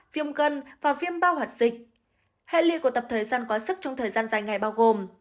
viêm gân và viêm bao hoạt dịch hệ lị của tập thời gian quá sức trong thời gian dài ngày bao gồm